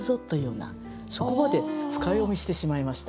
そこまで深読みしてしまいました。